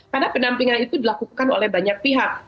karena pendampingan itu dilakukan oleh banyak pihak